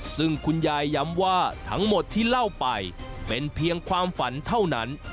ซึ่งคุณยายย้ำว่าทั้งหมดที่เล่าไปเป็นเพียงความฝันเท่านั้น